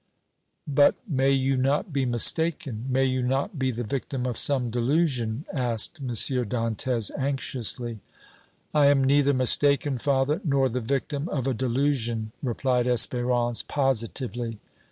"But may you not be mistaken, may you not be the victim of some delusion?" asked M. Dantès, anxiously. "I am neither mistaken, father, nor the victim of a delusion," replied Espérance, positively.